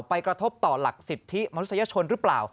กระทบต่อหลักสิทธิมนุษยชนหรือเปล่า